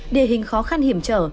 địa hình khó khăn hiểm trở